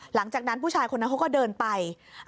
หลังจากนั้นผู้ชายคนนั้นเขาก็เดินไป